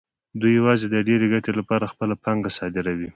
دوی یوازې د ډېرې ګټې لپاره خپله پانګه صادروي